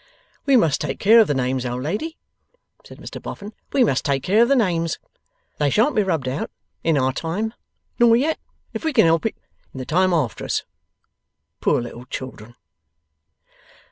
'We must take care of the names, old lady,' said Mr Boffin. 'We must take care of the names. They shan't be rubbed out in our time, nor yet, if we can help it, in the time after us. Poor little children!